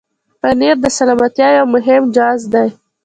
پنېر د سلامتیا یو مهم جز دی.